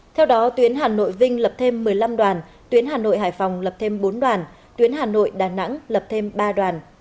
theo đó tuyến hà nội vinh lập thêm một mươi năm đoàn tuyến hà nội hải phòng lập thêm bốn đoàn tuyến hà nội đà nẵng lập thêm ba đoàn